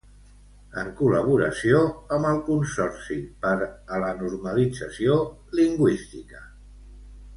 en col·laboració amb el Consorci per a la Normalització Lingüística